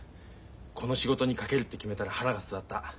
この仕事に懸けるって決めたら腹が据わった。